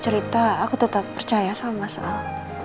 cerita aku tetap percaya sama mas al